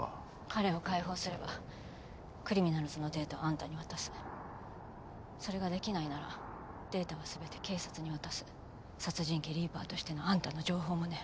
彼を解放すればクリミナルズのデータをあんたに渡すそれができないならデータは全て警察に渡す殺人鬼リーパーとしてのあんたの情報もね